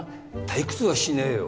退屈はしねえよ。